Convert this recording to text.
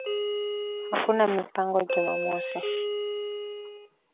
hakuna mipango Jumamosi